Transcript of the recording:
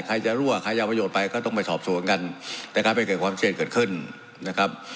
ใครจะรั่วใครจะเอาประโยชน์ไปก็ต้องไปสอบสวนกันนะครับไปเกิดความเครียดเกิดขึ้นนะครับ